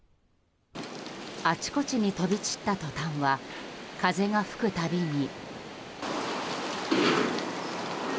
あちこちに飛び散ったトタンは風が吹くたびに。